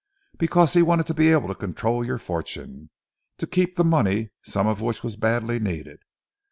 Because he wanted to be able to control your fortune, to keep the money, some of which was badly needed.